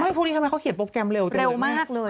ไม่พวกนี้ทำไมเขาเขียนโปรแกรมเร็วจริงไหม